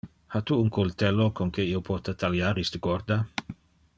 Ha tu un cultello con que io pote taliar iste corda?